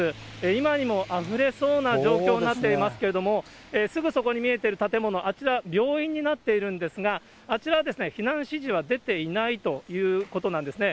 今にもあふれそうな状況になっていますけれども、すぐそこに見えている建物、あちら、病院になっているんですが、あちら、避難指示は出ていないということなんですね。